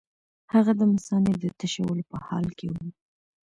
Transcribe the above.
هغه د مثانې د تشولو په حال کې وو.